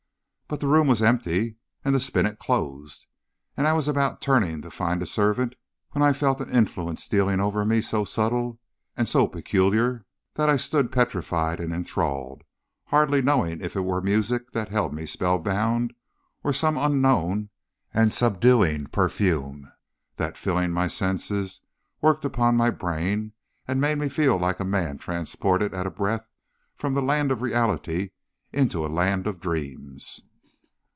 But the room was empty and the spinet closed, and I was about turning to find a servant, when I felt an influence stealing over me so subtile and so peculiar that I stood petrified and enthralled, hardly knowing if it were music that held me spell bound or some unknown and subduing perfume, that, filling my senses, worked upon my brain, and made me feel like a man transported at a breath from the land of reality into a land of dreams.